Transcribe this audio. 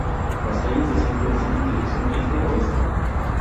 Las calles del sitio están en dirección este-oeste.